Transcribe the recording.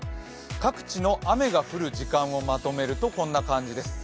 各地の雨が降る時間をまとめるとこんな感じです。